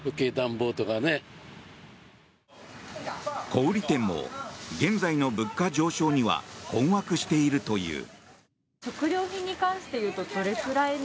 小売店も現在の物価上昇には困惑しているという。